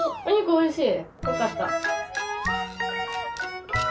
おいしい。